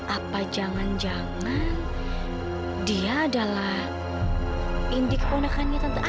apa jangan jangan dia adalah indi keponakannya tante